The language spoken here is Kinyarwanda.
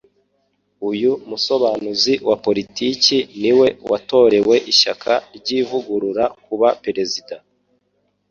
uyu musobanuzi wa politiki niwe watorewe ishyaka ry’ Ivugurura kuba perezida